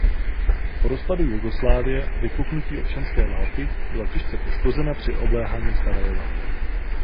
Po rozpadu Jugoslávie a vypuknutí občanské války byla těžce poškozena při obléhání Sarajeva.